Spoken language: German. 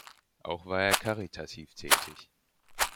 Auch war er karitativ tätig.